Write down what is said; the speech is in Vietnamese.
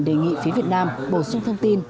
đề nghị phía việt nam bổ sung thông tin